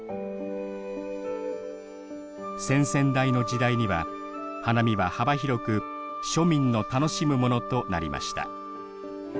先々代の時代には花見は幅広く庶民の楽しむものとなりました